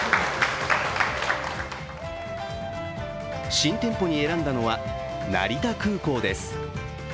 新店舗に選んだのは成田空港です。